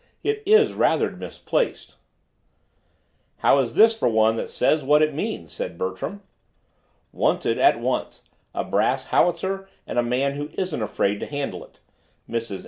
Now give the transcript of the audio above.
"It is rather misplaced." "How is this for one that says what it means?" said Bertram. WANTED—At once, a brass howitzer and a man who isn't afraid to handle it. Mrs.